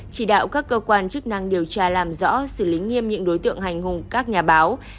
chỉ đạo các cơ quan chức năng điều tra làm rõ xử lý nghiêm những đối tượng hành hùng các nhà báo